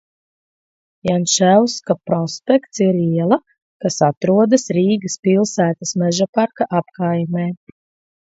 Janševska prospekts ir iela, kas atrodas Rīgas pilsētas Mežaparka apkaimē.